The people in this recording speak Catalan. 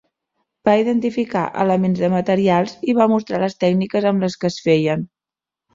Va identificar elements de materials i va mostrar les tècniques amb les que es feien.